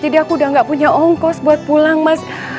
aku udah gak punya ongkos buat pulang mas